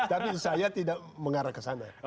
tapi saya tidak mengarah ke sana